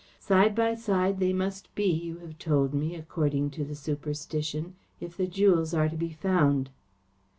Side by side they must be, you have told me, according to the superstition, if the jewels are to be found."